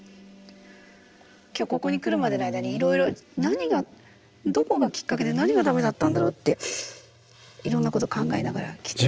今日ここに来るまでの間にいろいろ何がどこがきっかけで何がダメだったんだろうっていろんなこと考えながら来て。